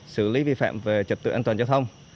xử lý vi phạm về trật tự an toàn giao thông